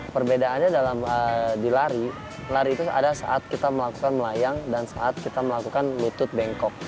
perbedaannya dalam di lari lari itu ada saat kita melakukan melayang dan saat kita melakukan lutut bengkok